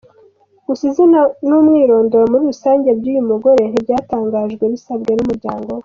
Gusa izina n’umwirondoro muri rusange by’uyu mugore ntibyatangajwe bisabwe n’umuryango we.